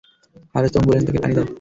হারেস তখন বললেন, তাকে পানি দাও।